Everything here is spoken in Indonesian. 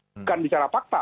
bukan bicara fakta